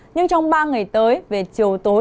nhưng trong ba ngày tới về chiều tối